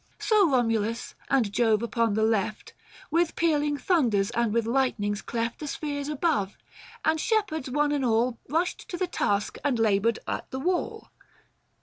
So Komulus, and Jove upon the left, 965 With pealing thunders and with lightnings cleft The spheres above ; and shepherds one and all Hushed to the task, and laboured at the wall.